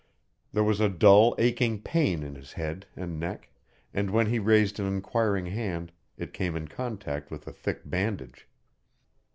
There was a dull, aching pain in his head and neck and when he raised an inquiring hand it came in contact with a thick bandage.